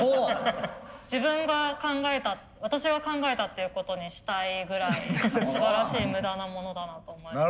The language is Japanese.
自分が考えた私が考えたっていうことにしたいぐらいすばらしい無駄なモノだなと思って。